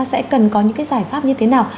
sẽ cần có những cái giải pháp như thế nào